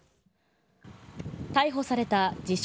逮捕された自称